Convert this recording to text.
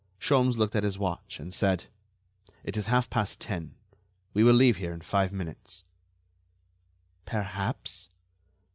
Sholmes looked at his watch and said: "It is half past ten. We will leave here in five minutes." "Perhaps."